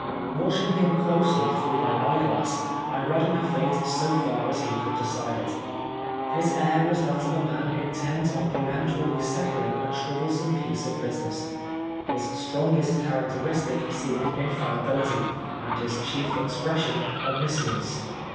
Watching" him closely through my eye glass, I read my fate so far as he conld decide it. His air was that of a man intent on peremptorily settling a troublesome piece of busi ness ; his strongest characteristic seemed infallibility, and his chief expression omniscience.